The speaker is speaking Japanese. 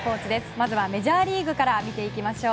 まずはメジャーリーグから見ていきましょう。